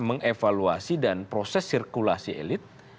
meng evaluasi dan proses sirkulasi elit